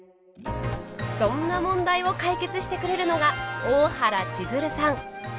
そんな問題を解決してくれるのが大原千鶴さん。